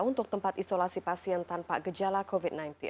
untuk tempat isolasi pasien tanpa gejala covid sembilan belas